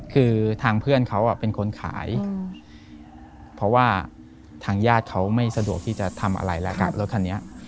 คือทางเพื่อนเขาเป็นคนขายเพราะว่าทางญาติเขาไม่สะดวกที่จะทำอะไรแล้วกับรถคันนี้